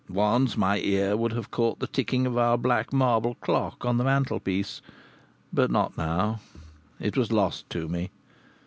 Once my ear would have caught the ticking of our black marble clock on the mantelpiece; but not now it was lost to me.